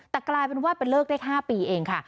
แต่กลายเป็นว่าเป็นเลิกได้๕ปีเองค่ะ